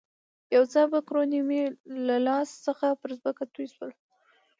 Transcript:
یو څه مکروني مې له لاس څخه پر مځکه توی شول.